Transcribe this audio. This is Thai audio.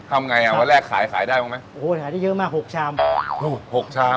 ทำไงอ่ะวันแรกขายขายได้บ้างไหมโอ้โหขายได้เยอะมากหกชามอ๋อนู่นหกชาม